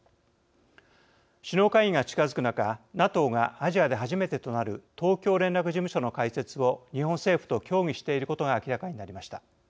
首脳会議が近づく中ＮＡＴＯがアジアで初めてとなる東京連絡事務所の開設を日本政府と協議していることが明らかになりました。